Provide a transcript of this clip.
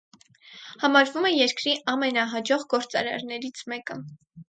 Համարվում է երկրի ամենահաջող գործարարներից մեկը։